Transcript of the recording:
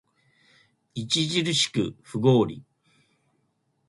著しく不合理